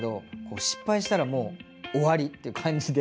失敗したらもう終わりって感じで。